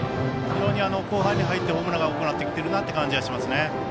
非常に後半に入ってホームランが多くなってきているなという感じがしますね。